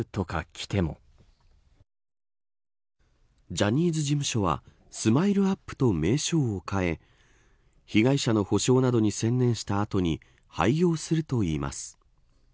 ジャニーズ事務所はＳＭＩＬＥ‐ＵＰ．と名称を変え被害者の補償などに専念した後に廃業するといいます。